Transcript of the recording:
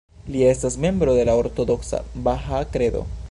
Li estas membro de la ortodoksa Bahaa Kredo.